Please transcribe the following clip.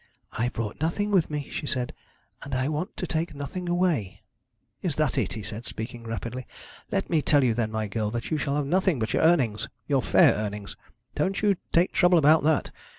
'I brought nothing with me,' she said, 'and I want to take nothing away.' 'Is that it?' he said, speaking rapidly. 'Let me tell you then, my girl, that you shall have nothing but your earnings, your fair earnings. Don't you take trouble about that.